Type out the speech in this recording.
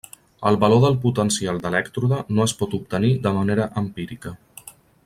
El valor del potencial d'elèctrode no es pot obtenir de manera empírica.